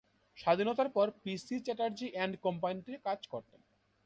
স্বাধীনতার পর P C Chatterjee and কোম্পানিতে কাজ করতেন।